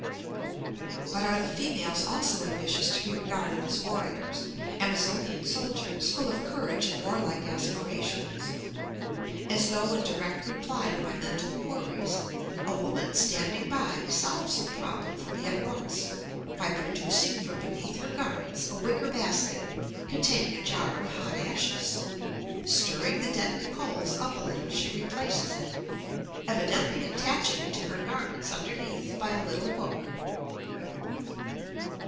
But are the females also ambitious to be regarded as warriors, Amazonian soldiers, full of courage and warlike aspirations. As though in direct reply to my mental queries, a woman standing by solves the problem for me at once by producing from beneath her garments a wicker basket containing a jar of hot ashes; stirring the deadened coals up a little she replaces it, evidently attaching it to her garments underneath by a little hook.